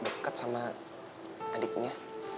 dapat deket sama adiknya